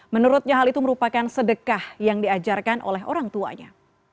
menurutnya hal itu merupakan sedekah yang diajarkan oleh orang tuanya